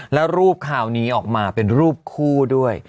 แล้วรูปคราวนี้ออกมาเป็นรูปคู่ด้วย